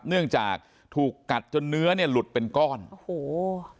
เนื่องจากถูกกัดจนเนื้อเนี่ยหลุดเป็นก้อนโอ้โห